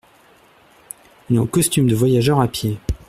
Il est en costume de voyageur à pied.